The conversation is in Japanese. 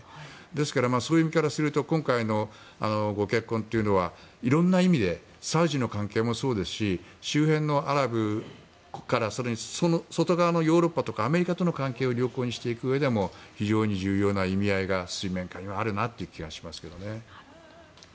ですからそういう意味からすると今回のご結婚というのは色んな意味でサウジの関係もそうですし周辺のアラブ国家更にその外側のヨーロッパとかアメリカとの関係を良好にしていくうえでも非常に重要な意味合いが水面下にはあるなという気がしますけどね。